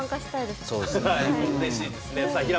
うれしいですね。